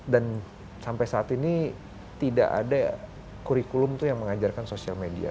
dan sampai saat ini tidak ada kurikulum tuh yang mengajarkan social media